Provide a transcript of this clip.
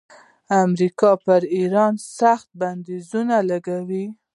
امریکا پر ایران سخت بندیزونه لګولي.